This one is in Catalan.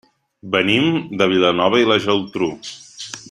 Venim de Vilanova i la Geltrú.